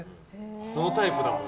そのタイプだもん。